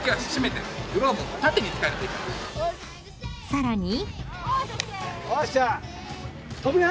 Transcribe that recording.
［さらに］